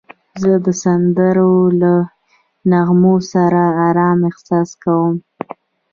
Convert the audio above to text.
زه د سندرو له نغمو سره آرام احساس کوم.